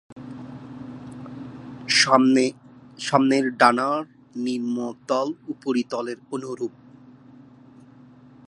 সামনের ডানার নিম্নতল, উপরিতলের অনুরূপ।